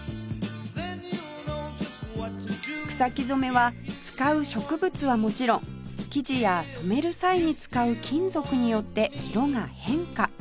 草木染は使う植物はもちろん生地や染める際に使う金属によって色が変化